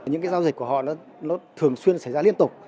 những cái giao dịch của họ nó thường xuyên xảy ra liên tục